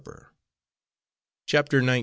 CHAPTER XIX.